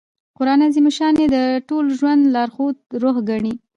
قران عظیم الشان ئې د ټول ژوند لارښود او روح ګڼي.